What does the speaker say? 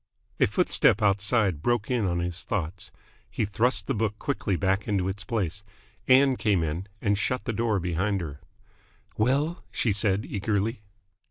A footstep outside broke in on his thoughts. He thrust the book quickly back into its place. Ann came in, and shut the door behind her. "Well?" she said eagerly.